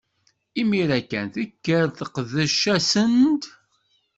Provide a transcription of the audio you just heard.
Imiren kan, tekker teqdec-asen-d.